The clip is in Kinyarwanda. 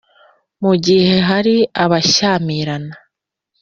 mu gihe hari abashyamirana,